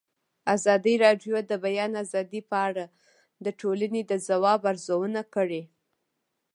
ازادي راډیو د د بیان آزادي په اړه د ټولنې د ځواب ارزونه کړې.